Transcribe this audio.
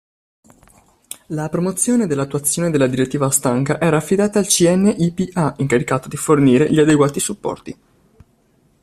La promozione dell'attuazione della Direttiva Stanca era affidata al CNIPA, incaricato di fornire gli adeguati supporti.